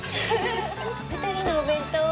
二人のお弁当は？